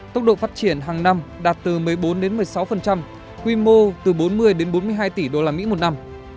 tốc độ phát triển hàng năm đạt từ một mươi bốn một mươi sáu quy mô từ bốn mươi đến bốn mươi hai tỷ usd một năm